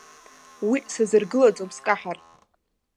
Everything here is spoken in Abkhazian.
Уи сазыргылаӡом скаҳар.